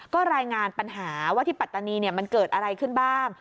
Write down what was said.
ก็รายงานปัญหาว่าที่ปัตตานีมันเกิดอะไรขึ้นบ้าง